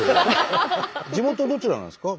地元どちらなんですか？